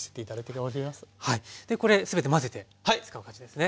でこれすべて混ぜて使う感じですね。